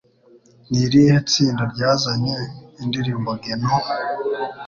ni irihe tsinda ryazanye indirimbo Geno?